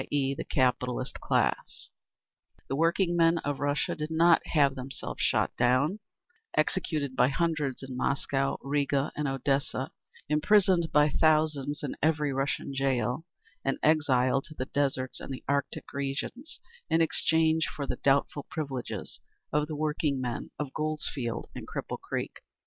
e., the capitalist class)…. The workingmen of Russia did not have themselves shot down, executed by hundreds in Moscow, Riga and Odessa, imprisoned by thousands in every Russian jail, and exiled to the deserts and the arctic regions, in exchange for the doubtful privileges of the workingmen of Goldfields and Cripple Creek….